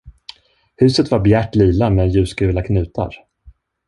Huset var bjärt lila med ljusgula knutar.